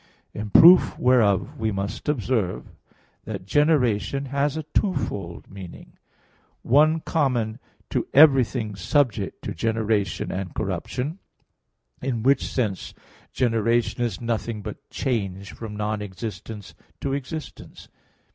In proof whereof we must observe that generation has a twofold meaning: one common to everything subject to generation and corruption; in which sense generation is nothing but change from non existence to existence.